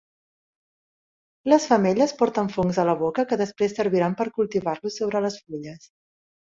Les femelles porten fongs a la boca que després serviran per cultivar-los sobre les fulles.